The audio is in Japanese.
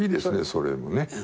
それもね。